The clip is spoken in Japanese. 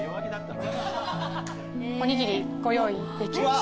おにぎりご用意できました。